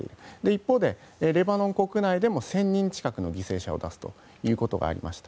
一方で、レバノン国内でも１０００人近くの犠牲者を出すということがありました。